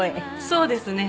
そうですね。